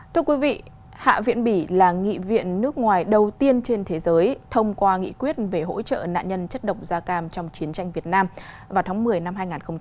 thưa quý vị hạ viện bỉ là nghị viện nước ngoài đầu tiên trên thế giới thông qua nghị quyết về hỗ trợ nạn nhân chất độc da cam trong chiến tranh việt nam vào tháng một mươi năm hai nghìn hai mươi ba